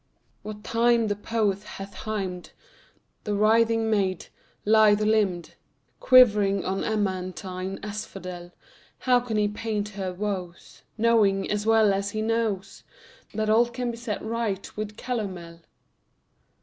What time the poet hath hymned The writhing maid, lithe limbed, Quivering on amaranthine asphodel, How can he paint her woes, Knowing, as well he knows, That all can be set right with calomel?